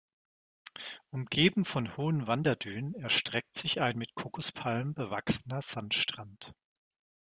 Umgeben von hohen Wanderdünen erstreckt sich ein mit Kokospalmen bewachsener Sandstrand.